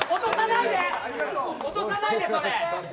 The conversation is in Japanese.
落とさないで、それ。